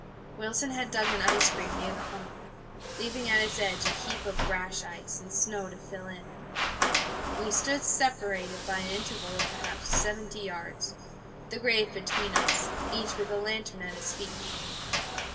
Wilson had dug an ice grave near the hummock, leaving at its edge a heap of brash ice and snow to fill it. We stood separated by an interval of perhaps seventy yards, the grave between us, each with a lantern at his feet.